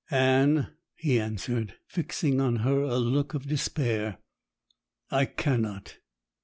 'Anne,' he answered, fixing on her a look of despair, 'I cannot.